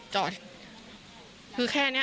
จ่อคือแค่เนี้ยเนี้ย